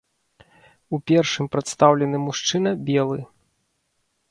У першым прадстаўлены мужчына белы.